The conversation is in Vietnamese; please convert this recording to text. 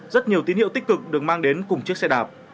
rất nhiều tín hiệu tích cực được mang đến cùng chiếc xe đạp